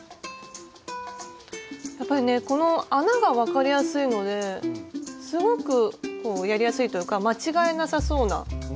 やっぱりねこの穴が分かりやすいのですごくやりやすいというか間違えなさそうな。